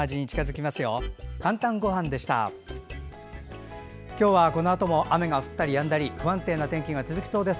きょうはこのあとも雨が降ったりやんだり不安定な天気が続きそうです。